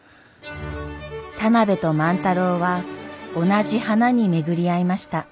田邊と万太郎は同じ花に巡り会いました。